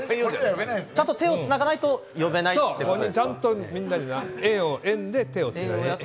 ちゃんと手を繋がないと呼べないってことですか？